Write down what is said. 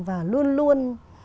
và luôn luôn